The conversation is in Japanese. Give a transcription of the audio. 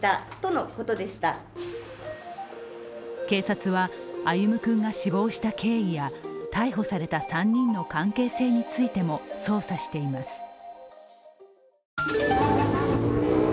警察は、歩夢君が死亡した経緯や逮捕された３人の関係性についても捜査しています。